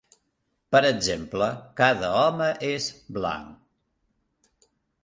Per exemple, "cada home és blanc".